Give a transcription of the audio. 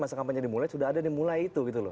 masa kampanye dimulai sudah ada dimulai itu